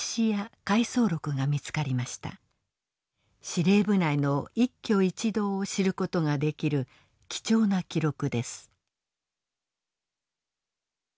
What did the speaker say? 司令部内の一挙一動を知る事ができる貴重な記録です。